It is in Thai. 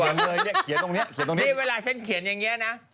นี่เวลาฉันเขียนอย่างเงี้ยนะ